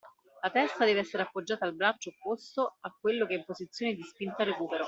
La testa deve essere appoggiata al braccio opposto a quello che è in posizione di spinta-recupero.